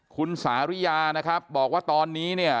คุณสาริยานะครับบอกว่าตอนนี้เนี่ย